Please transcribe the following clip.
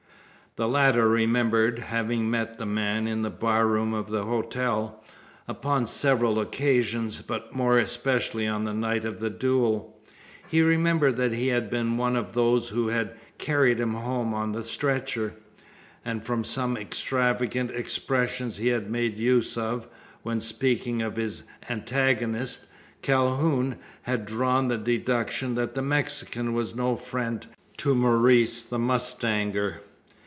The latter remembered having met the man in the bar room of the hotel; upon several occasions, but more especially on the night of the duel. He remembered that he had been one of those who had carried him home on the stretcher; and from some extravagant expressions he had made use of, when speaking of his antagonist, Calhoun had drawn the deduction, that the Mexican was no friend to Maurice the mustanger.